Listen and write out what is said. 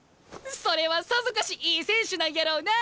それはさぞかしいい選手なんやろうな！